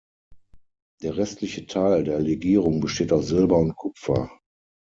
Der restliche Teil der Legierung besteht aus Silber und Kupfer.